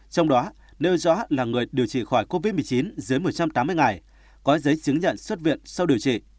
trong đó nêu rõ là người điều trị khỏi covid một mươi chín dưới một trăm tám mươi ngày có giấy chứng nhận xuất viện sau điều trị